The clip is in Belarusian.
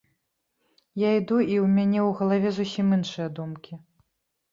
Я іду і ў мяне ў галаве зусім іншыя думкі.